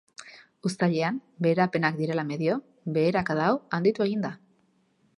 Uztailean, beherapenak direla medio, beherakada hau handitu egin da.